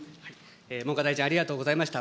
文科大臣、ありがとうございました。